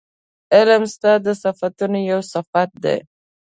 علم ستا د صفتونو یو صفت دی